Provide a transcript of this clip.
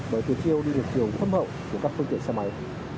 bởi tuyến chiều đi được chiều thâm hậu của các phương tiện xe máy